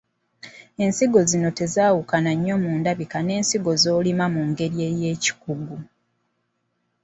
Ensigo zino tezawukana nnyo mu ndabika n’ensigo z’olima mu ngeri ey’ekikugu.